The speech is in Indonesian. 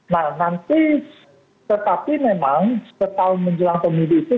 nah nanti tetapi memang setahun menjelang pemilu itu